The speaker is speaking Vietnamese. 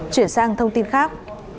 chuyển sang thông tin khác